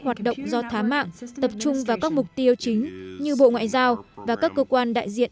hoạt động do thá mạng tập trung vào các mục tiêu chính như bộ ngoại giao và các cơ quan đại diện